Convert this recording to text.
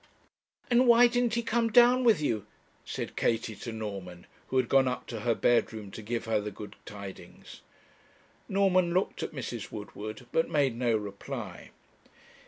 'And why didn't he come down with you?' said Katie to Norman, who had gone up to her bedroom to give her the good tidings. Norman looked at Mrs. Woodward, but made no reply.